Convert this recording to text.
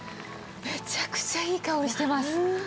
めちゃくちゃいい香りしてます。